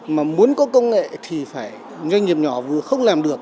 mà muốn có công nghệ thì phải doanh nghiệp nhỏ vừa không làm được